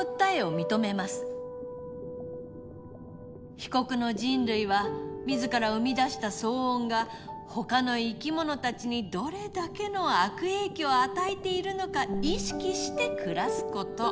被告の人類は自ら生み出した騒音がほかの生き物たちにどれだけの悪影響を与えているのか意識して暮らすこと。